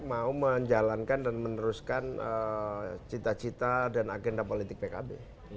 mau menjalankan dan meneruskan cita cita dan agenda politik pkb